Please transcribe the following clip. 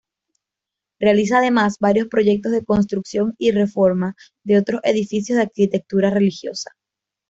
Realiza además varios proyectos de construcción y reforma de otros edificios de arquitectura religiosa.